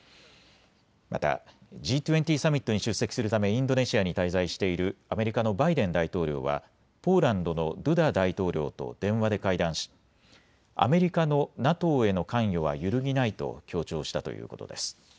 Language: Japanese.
また、Ｇ２０サミットに出席するためインドネシアに滞在しているアメリカのバイデン大統領はポーランドのドゥダ大統領と電話で会談しアメリカのＮＡＴＯへの関与は揺るぎないと強調したということです。